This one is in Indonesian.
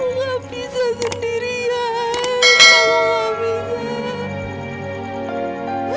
aku gak bisa sendirian